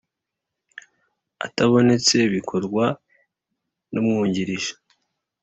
Atabonetse bikorwa n umwungirije